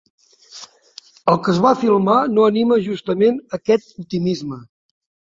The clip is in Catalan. El que es va filmar no anima justament aquest optimisme.